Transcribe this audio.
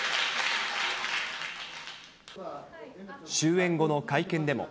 終演後の会見でも。